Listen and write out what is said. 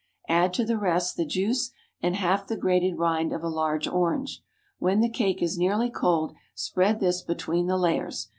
Add to the rest the juice and half the grated rind of a large orange. When the cake is nearly cold, spread this between the layers.